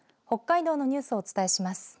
北海道のニュースをお伝えします。